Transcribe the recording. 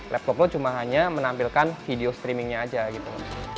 laptop lo cuma hanya menampilkan video streamingnya aja gitu